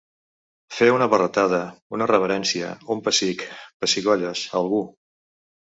Fer una barretada, una reverència, un pessic, pessigolles, a algú.